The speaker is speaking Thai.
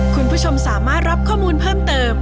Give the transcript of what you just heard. คุณผู้ชมสามารถรับข้อมูลเพิ่มเติม